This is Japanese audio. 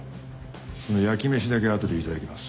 その焼き飯だけ後でいただきます。